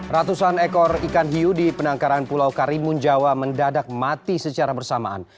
ratusan ekor ikan hiu di penangkaran pulau karimun jawa mendadak mati secara bersamaan